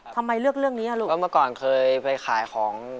ทำไมเลือกเรื่องนี้อ่ะลูกแล้วเมื่อก่อนเคยไปขายของ